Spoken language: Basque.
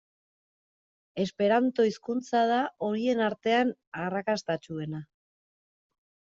Esperanto hizkuntza da horien artean arrakastatsuena.